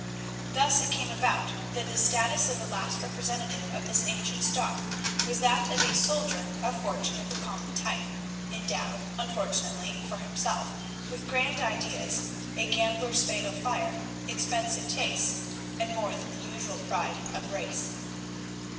Thus it came about that the status of the last representative of this ancient stock was that of a soldier of fortune of the common type, endowed, unfortunately for himself, with grand ideas, a gambler's fatal fire, expensive tastes, and more than the usual pride of race.